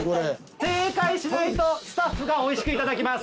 正解しないとスタッフがおいしくいただきます。